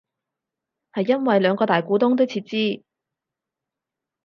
係因為兩個大股東都撤資